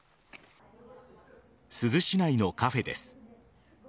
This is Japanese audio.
珠洲市内のカフェです。